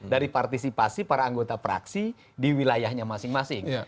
dari partisipasi para anggota praksi di wilayahnya masing masing